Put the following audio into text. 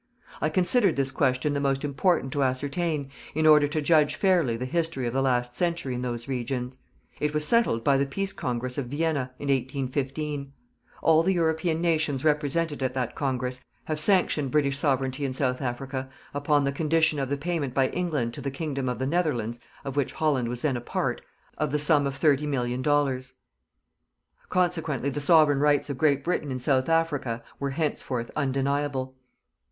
I considered this question the most important to ascertain, in order to judge fairly the history of the last century in those regions. It was settled by the Peace Congress of Vienna, in 1815. All the European nations represented at that congress, have sanctioned British Sovereignty in South Africa upon the condition of the payment by England to the Kingdom of the Netherlands, of which Holland was then a part, of the sum of $30,000,000. Consequently the Sovereign Rights of Great Britain in South Africa were henceforth undeniable.